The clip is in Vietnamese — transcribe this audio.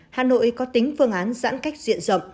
hà nội có tính phương án giãn cách diện rộng